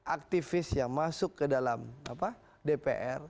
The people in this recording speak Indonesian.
aktivis yang masuk ke dalam dpr